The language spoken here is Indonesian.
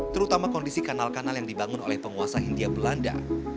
terutama kondisi kanal kanal yang dibangun oleh penguasa hindia belanda